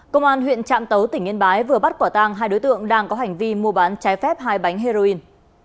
công an huyện trạm tấu tỉnh yên bái vừa bắt quả tang hai đối tượng đang có hành vi mua bán trái phép hai bánh heroin